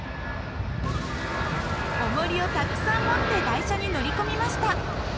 おもりをたくさん持って台車に乗り込みました。